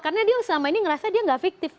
karena dia selama ini ngerasa dia nggak fiktif